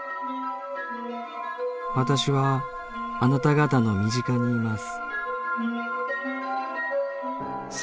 私はあなた方の身近に居ます」。